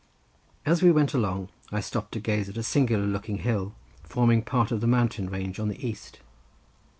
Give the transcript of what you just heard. As we went along I stopped to gaze at a singular looking hill forming part of the mountain range on the east.